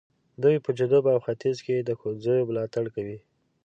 دوی په جنوب او ختیځ کې د ښوونځیو ملاتړ کوي.